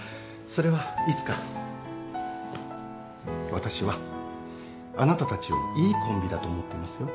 私はあなたたちをいいコンビだと思っていますよ。